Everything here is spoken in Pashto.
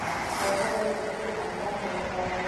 او هغه یې د خپلو اهدافو لپاره